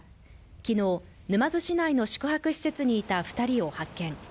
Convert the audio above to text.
昨日、沼津市内の宿泊施設にいた２人を発見。